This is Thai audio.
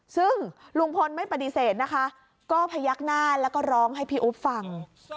ซึ่งลุงพลไม่ปฏิเสธนะคะก็พยักหน้าแล้วก็ร้องให้พี่อุ๊บฟัง